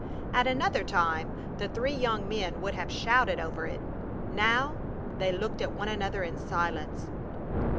At another time the three young men would have shouted over it. Now they looked at one another in silence.